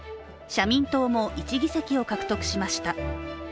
社民党も１議席を獲得しました。